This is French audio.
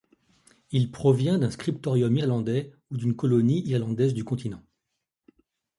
Il provient d'un scriptorium irlandais ou d'une colonie irlandaise du continent.